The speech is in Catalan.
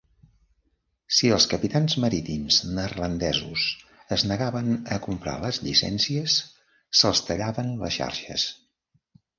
Si els capitans marítims neerlandesos es negaven a comprar les llicències, se'ls tallaven les xarxes.